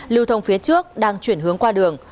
lưu thông phía trước đang chuyển hướng qua đường